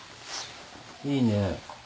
いいね。